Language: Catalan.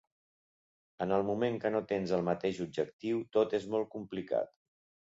En el moment que no tens el mateix objectiu, tot és molt complicat.